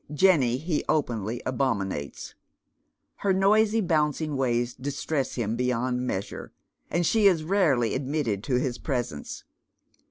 Jenny ho openly abominates. Her noisy bouncing wa3^8 distress him beyond measure, and she is rarely admitted to his presence.